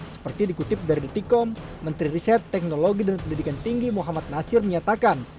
seperti dikutip dari dtkom menteri riset teknologi dan pendidikan tinggi muhammad nasir menyatakan